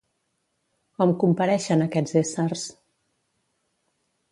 Com compareixen aquests éssers?